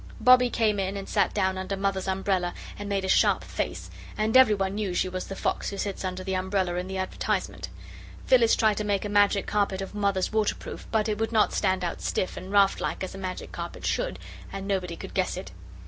Bobbie came in and sat down under Mother's umbrella and made a sharp face, and everyone knew she was the fox who sits under the umbrella in the advertisement. Phyllis tried to make a Magic Carpet of Mother's waterproof, but it would not stand out stiff and raft like as a Magic Carpet should, and nobody could guess it.